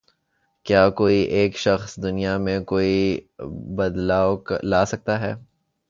کیا کوئی ایک شخص دنیا میں کوئی بدلاؤ لا سکتا ہے